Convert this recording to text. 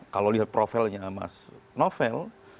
kalau lihat profilnya mas novel